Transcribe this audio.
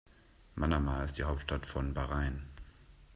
Manama ist die Hauptstadt von Bahrain.